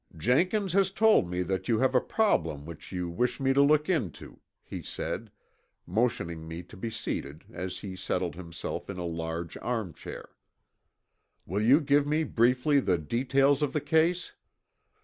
"Jenkins has told me that you have a problem which you wish me to look into," he said, motioning me to be seated as he settled himself in a large arm chair. "Will you give me briefly the details of the case?"